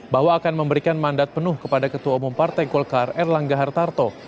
bahwa akan memberikan mandat penuh kepada ketua umum partai golkar erlangga hartarto